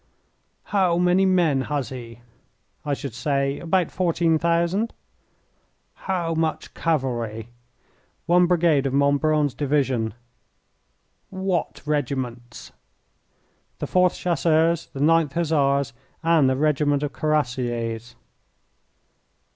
"How many men has he?" "I should say about fourteen thousand." "How much cavalry?" "One brigade of Montbrun's Division." "What regiments?" "The 4th Chasseurs, the 9th Hussars, and a regiment of Cuirassiers."